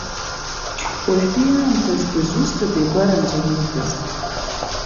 Уажәтәи аамҭаз дызусҭада игәаранҵәан иубаз!